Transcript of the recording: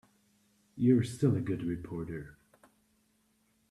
You're still a good reporter.